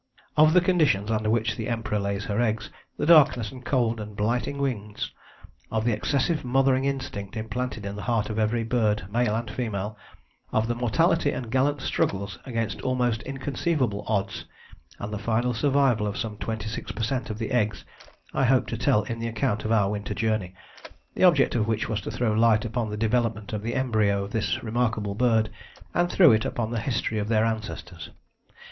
Of the conditions under which the Emperor lays her eggs, the darkness and cold and blighting winds, of the excessive mothering instinct implanted in the heart of every bird, male and female, of the mortality and gallant struggles against almost inconceivable odds, and the final survival of some 26 per cent of the eggs, I hope to tell in the account of our Winter Journey, the object of which was to throw light upon the development of the embryo of this remarkable bird, and through it upon the history of their ancestors.